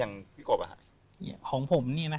อ้าวอย่างพี่กบล่ะค่ะ